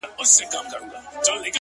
خالونه دي د ستورو له کتاره راوتلي-